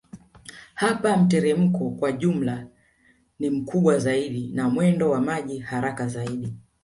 Hapa mteremko kwa jumla ni mkubwa zaidi na mwendo wa maji haraka zaidi